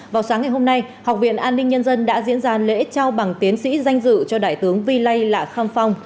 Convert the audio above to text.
vào sáng ngày hôm nay học viện an ninh nhân dân đã diễn ra lễ trao bằng tiến sĩ danh dự cho đại tướng vi lây lạ kham phong